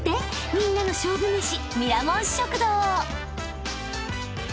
みんなの勝負飯］